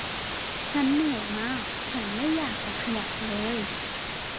ฉันเหนื่อยมากฉันไม่อยากจะขยับเลย